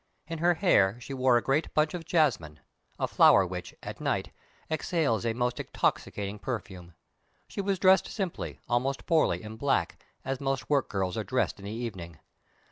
In her hair she wore a great bunch of jasmine a flower which, at night, exhales a most intoxicating perfume. She was dressed simply, almost poorly, in black, as most work girls are dressed in the evening.